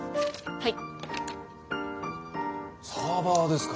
はい。